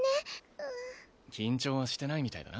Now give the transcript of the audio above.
う緊張はしてないみたいだな